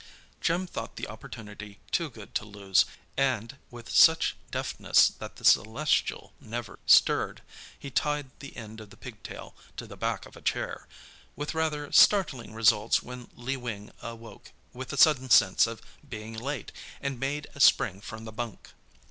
Jim thought the opportunity too good to lose and, with such deftness that the Celestial never stirred, he tied the end of the pigtail to the back of a chair—with rather startling results when Lee Wing awoke with a sudden sense of being late, and made a spring from the bunk.